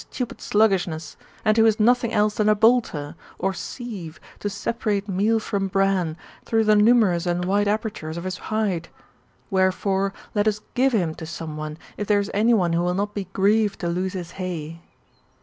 Ij6 THB MSTAM011PH06I8, OR Btupid sluggishnessi and who is nothing else than a bolter [or sieve, to separate meal from bran, through the numerous and wide apertures of his hide?] Wherefore, let us give him to some one, if there is any one who will not be grieved to lose his hay.